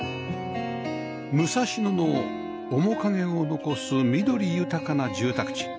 武蔵野の面影を残す緑豊かな住宅地